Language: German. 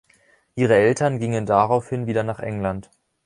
Ihre Eltern gingen daraufhin wieder nach England.